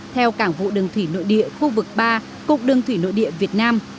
theo cảng vụ đường thủy nội địa khu vực ba cục đường thủy nội địa việt nam